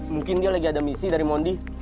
mungkin dia lagi ada misi dari mondi